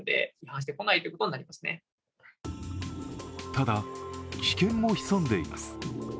ただ、危険も潜んでいます。